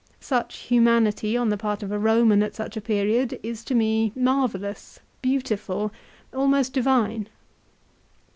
Such humanity on the part of a Eoman at such a period is to me marvellous, beautiful, almost divine.